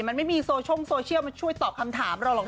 มันไม่มีโซเชียลมาช่วยตอบคำถามเราหรอก